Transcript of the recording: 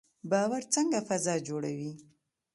باور څنګه فضا جوړوي؟